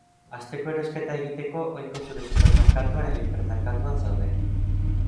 Asteko erosketa egiteko ohiko zure supermerkatuan edo hipermerkatuan zaude.